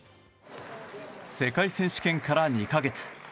世界選手権から２か月。